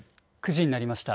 ９時になりました。